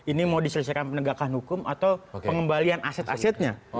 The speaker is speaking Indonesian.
ini mau diselesaikan penegakan hukum atau pengembalian aset asetnya